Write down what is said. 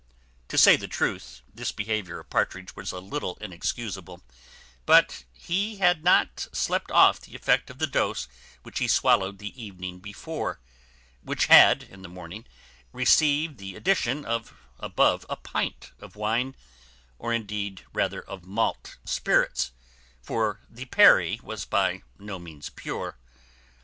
To say the truth, this behaviour of Partridge was a little inexcusable; but he had not slept off the effect of the dose which he swallowed the evening before; which had, in the morning, received the addition of above a pint of wine, or indeed rather of malt spirits; for the perry was by no means pure.